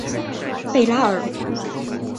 贝拉尔。